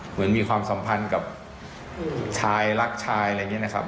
เหมือนมีความสัมพันธ์กับชายรักชายอะไรอย่างนี้นะครับ